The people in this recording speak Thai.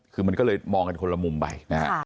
คือมันก็เลยมองกันคนละมุมไปนะฮะ